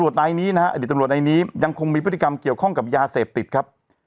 นายนี้นะฮะอดีตตำรวจในนี้ยังคงมีพฤติกรรมเกี่ยวข้องกับยาเสพติดครับ